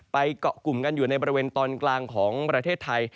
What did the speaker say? เกาะกลุ่มกันอยู่ในบริเวณตอนกลางของประเทศไทย